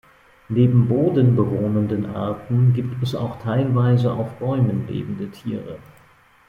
Neben bodenbewohnenden Arten gibt es auch teilweise auf Bäumen lebende Tiere.